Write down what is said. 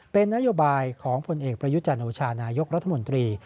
เป็นนโยบายของผลเอกประยุจันโอชานายกรัฐมนตรี